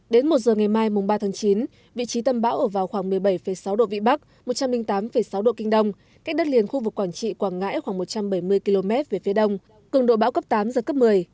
đến một giờ ngày mai mùng ba tháng chín vị trí tâm bão ở vào khoảng một mươi bảy sáu độ vĩ bắc một trăm linh tám sáu độ kinh đông cách đất liền khu vực quảng trị quảng ngãi khoảng một trăm bảy mươi km về phía đông cường độ bão cấp tám giật cấp một mươi